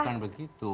oh bukan begitu